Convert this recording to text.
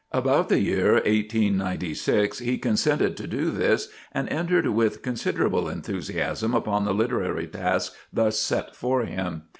About the year 1896 he consented to do this and entered with considerable enthusiasm upon the literary task thus set for him.